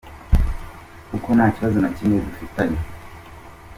Kuko nta kibazo na kimwe dufitanye.